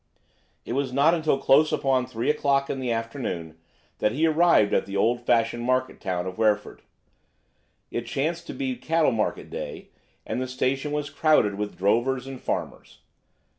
It was not until close upon three o'clock in the afternoon that he arrived at the old fashioned market town of Wreford. It chanced to be cattle market day, and the station was crowded with drovers and farmers.